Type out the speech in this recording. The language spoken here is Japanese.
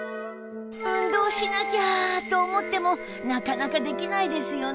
運動しなきゃと思ってもなかなかできないですよね